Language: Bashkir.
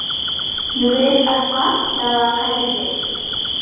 Йүгерек атҡа дала ҡәҙерле.